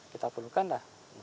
kita perlukan lah